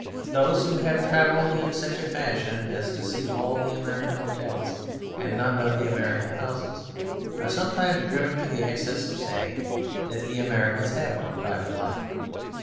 Those who have travelled in such a fashion as to see all the American hotels and none of the American houses are sometimes driven to the excess of saying that the Americans have no private life.